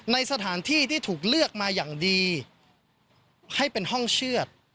ในสถานที่ที่ถูกเลือกมาอย่างดีให้เป็นห้องเชื่อด